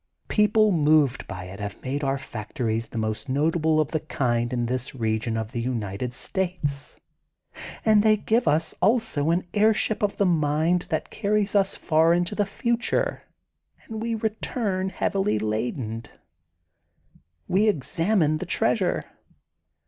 People moved by it have made our factories the most notable of the kind in this region of the Uni ted States. And they give us also an airship of the mind that carries us far into the future and we return heavily ladened. We examine the treasure.